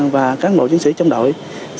và các bộ chứng sĩ trong đội